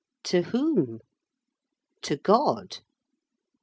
To whom? To God.